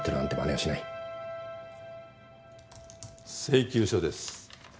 請求書です。